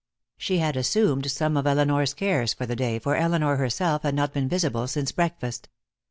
She had assumed some of Elinor's cares for the day, for Elinor herself had not been visible since breakfast.